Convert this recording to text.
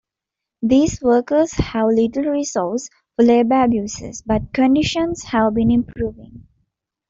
These workers have little recourse for labor abuses, but conditions have been improving.